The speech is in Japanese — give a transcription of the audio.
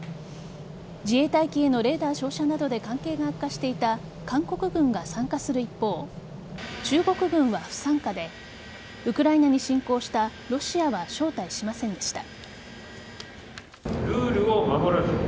自衛隊機へのレーダー照射などで関係が悪化していた韓国軍が参加する一方中国軍は不参加でウクライナに侵攻したロシアは招待しませんでした。